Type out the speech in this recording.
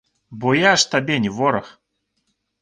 Бо я ж табе не вораг.